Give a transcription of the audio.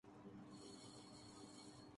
یہ کتاب بہت دلچسپ ہے